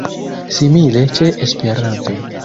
Simile ĉe Esperanto.